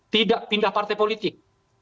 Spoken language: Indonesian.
tidak pindah partai politik